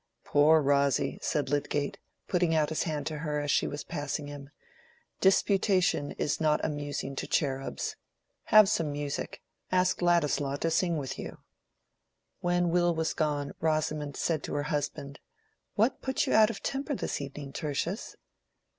"Poor Rosy!" said Lydgate, putting out his hand to her as she was passing him. "Disputation is not amusing to cherubs. Have some music. Ask Ladislaw to sing with you." When Will was gone Rosamond said to her husband, "What put you out of temper this evening, Tertius?"